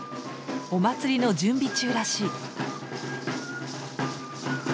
お祭りの準備中らしい。